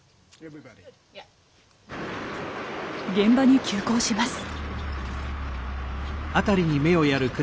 現場に急行します。